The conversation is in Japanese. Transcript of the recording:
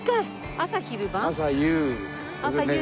朝昼晩？